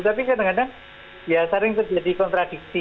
tapi kadang kadang ya sering terjadi kontradiksi